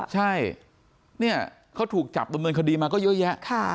ใช่เขาถูกจับบริเวณคดีมาก็เยอะแยะ